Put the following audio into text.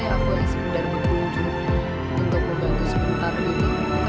ya aku yang sekedar berkunjung untuk membantu sebentar gitu